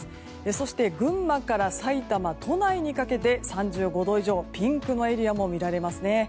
そして、群馬から埼玉都内にかけて３５度以上ピンクのエリアも見られますね。